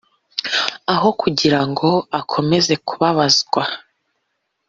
aho kugira ngo akomeze kubabazwa